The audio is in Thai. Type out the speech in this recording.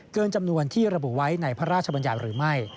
เกินจำนวนที่ระบุไว้ในพระราชบัญญัติหรือไม่